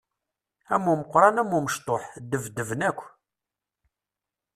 Am umeqqran am umecṭuḥ, ddbedben akk!